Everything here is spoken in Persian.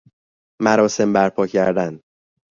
مراسم بر پا کردن